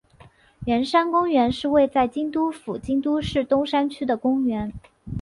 圆山公园是位在京都府京都市东山区的公园。